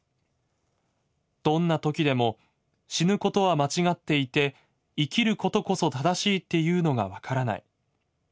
どんな時でも死ぬことは間違っていて生きることこそ正しいっていうのが分からない。